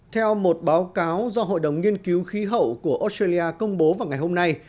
theo một báo cáo do hội đồng nghiên cứu khí hậu của australia công bố vào ngày hôm nay